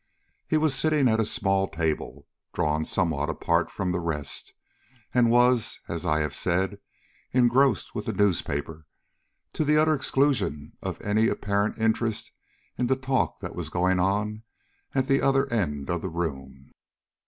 He was sitting at a small table, drawn somewhat apart from the rest, and was, as I have said, engrossed with a newspaper, to the utter exclusion of any apparent interest in the talk that was going on at the other end of the room.